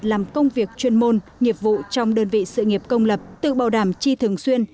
làm công việc chuyên môn nghiệp vụ trong đơn vị sự nghiệp công lập tự bảo đảm chi thường xuyên